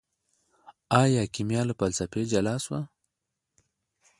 ايا کيميا له فلسفې جلا سوه؟